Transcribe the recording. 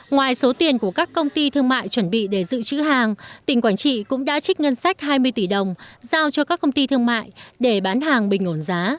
ngoài số tiền của các công ty thương mại chuẩn bị để giữ chữ hàng tỉnh quảng trị cũng đã trích ngân sách hai mươi tỷ đồng giao cho các công ty thương mại để bán hàng bình ổn giá